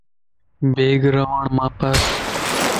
بيگ رَواڙماپار